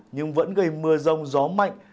nhưng vẫn gây mưa rông gió mạnh